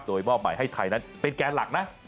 โดยมอบหมายให้ไทยนั้นเป็นแกนหลักนะ